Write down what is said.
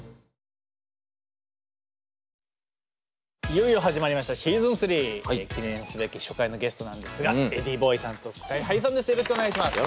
いよいよ始まりましたシーズン３記念すべき初回のゲストなんですがｅｄｈｉｉｉｂｏｉさんとＳＫＹ−ＨＩさんです。